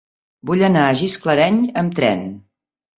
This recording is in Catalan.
Vull anar a Gisclareny amb tren.